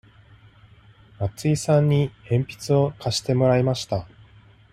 松井さんに鉛筆を貸してもらいました。